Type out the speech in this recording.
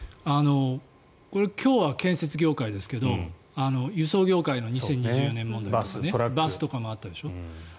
今日は建設業界ですが輸送業界の２０２４年問題バスとかもあったでしょ。